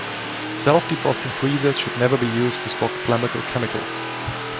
Self-defrosting freezers should never be used to store flammable chemicals.